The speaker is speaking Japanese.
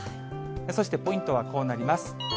そしてポイントはこうなります。